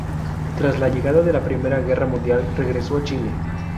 Tras la llegada de la Primera Guerra Mundial regresó a Chile.